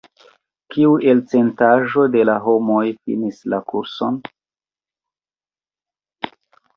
Kiu elcentaĵo de la homoj finis la kurson?